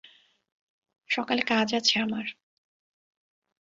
সকালে কাজ আছে আমার।